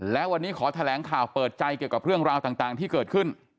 และวันนี้ขอแถลงข่าวเปิดใจเกี่ยวกับเรื่องราวต่างที่เกิดขึ้น